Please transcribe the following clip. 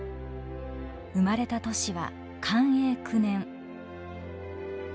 生まれた年は寛永９年。